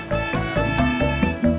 tati disuruh nyiram